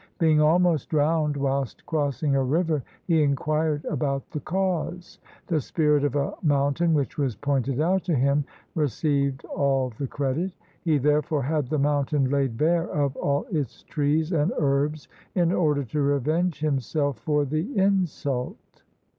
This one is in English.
Being almost drowned whilst crossing a river, he inquired about the cause; the spirit of a mountain, which was pointed out to him, received all the credit. He therefore had the mountain laid bare of all its trees and herbs, in order to revenge himself for the insult.